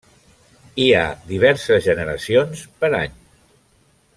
Hi ha diverses generacions per any.